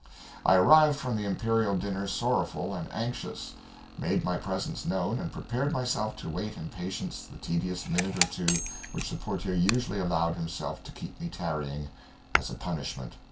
I arrived from the imperial dinner sorrowful and anxious, made my presence known and prepared myself to wait in patience the tedious minute or two which the portier usually allowed himself to keep me tarrying as a punishment.